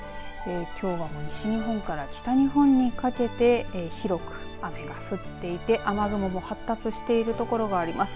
きょうは西日本から北日本にかけて広く雨が降っていて雨雲も発達しているところがあります。